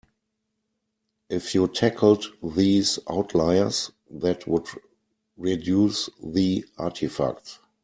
If you tackled these outliers that would reduce the artifacts.